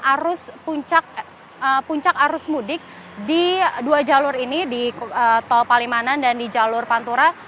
arus puncak arus mudik di dua jalur ini di tol palimanan dan di jalur pantura